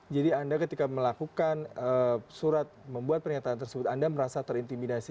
jadi anda ketika melakukan surat membuat pernyataan tersebut anda merasa terintimidasi